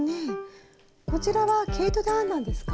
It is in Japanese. こちらは毛糸で編んだんですか？